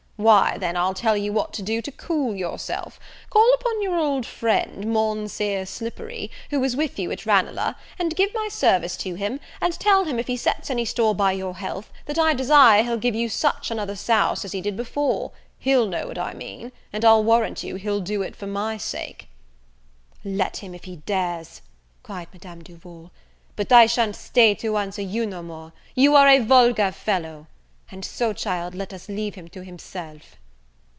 why then, I'll tell you what to do to cool yourself; call upon your old friend, Monseer Slippery, who was with you at Ranelagh, and give my service to him, and tell him, if he sets any store by your health, that I desire he'll give you such another souse as he did before: he'll know what I mean, and I'll warrant you he'll do't for my sake." "Let him, if he dares!" cried Madame Duval; "but I shan't stay to answer you no more; you are a vulgar fellow; and so, child, let us leave him to himself."